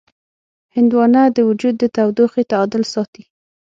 هندوانه د وجود د تودوخې تعادل ساتي.